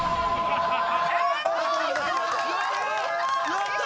やった！